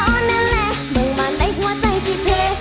มึงบ้านใต้หัวใจสิเผ่